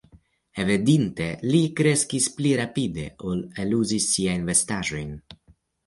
Evidente li kreskis pli rapide, ol li eluzis siajn vestaĵojn.